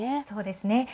そうですね。